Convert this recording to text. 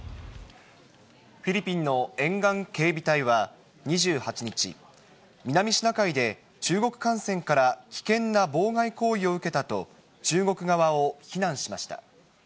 フィリピンの沿岸警備隊は２８日、南シナ海で中国艦船から危険な妨害行為を受けたと、中国側を非難しました。